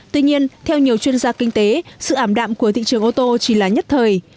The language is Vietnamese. tuy nhiên theo nhiều chuyên gia kinh tế sự ảm đạm của thị trường ô tô chỉ là nhất thời